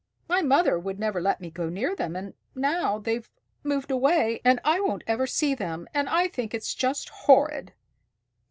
My mother would never let me go near them, and now they've moved away, and I won't ever see them, and I think it's just horrid."